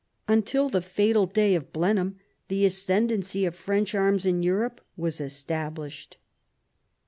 Until the fatal day of Blenheim the ascendency of French arms in Europe was established.